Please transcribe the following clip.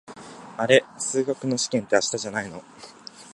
あれ、数学の試験って明日じゃないの？